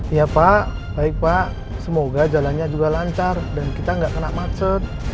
iya pak baik pak semoga jalannya juga lancar dan kita nggak kena macet